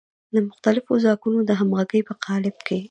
د مختلفو ځواکونو د همغږۍ په قالب کې.